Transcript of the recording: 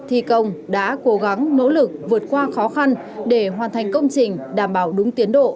thi công đã cố gắng nỗ lực vượt qua khó khăn để hoàn thành công trình đảm bảo đúng tiến độ